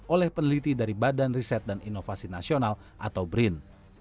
oleh peneliti dari badan riset dan inovasi nasional atau brin